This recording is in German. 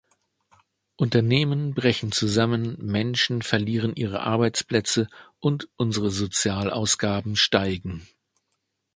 Unternehmen brechen zusammen, Menschen verlieren ihre Arbeitsplätze und unsere Sozialausgaben steigen.